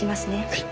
はい。